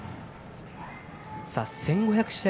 １５００試合